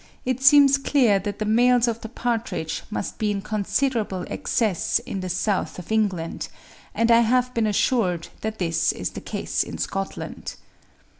it seems clear that the males of the partridge must be in considerable excess in the south of England; and I have been assured that this is the case in Scotland.